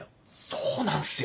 そうなんすよ。